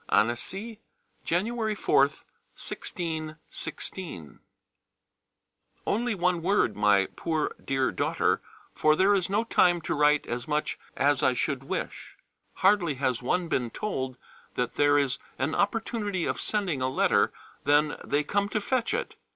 ANNECY, January 4th, 1616. Only one word, my poor dear daughter, for there is no time to write as much as I should wish. Hardly has one been told that there is an opportunity of sending a letter than they come to fetch it.